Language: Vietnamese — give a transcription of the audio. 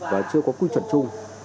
và chưa có quy truẩn chung